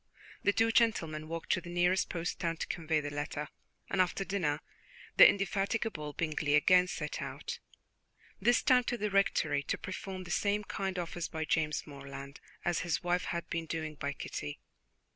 The two gentlemen walked to the nearest post town to convey the letter; and after dinner the indefatigable Bingley again set out, this time to the Rectory, to perform the same kind office by James Morland as his wife had been doing by Kitty.